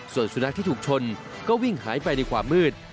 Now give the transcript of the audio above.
ส่วนสุนัขที่ถูกชนก็วิ่งหายไปในความมืด